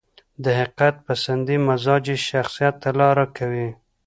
د حقيقت پسندي مزاج يې شخصيت ته لاره کوي.